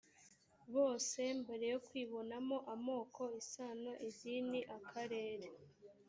bose mbere yo kwibonamo amoko isano idini akarere